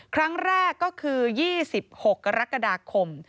ครั้งแรกก็คือ๒๖กรกฎาคม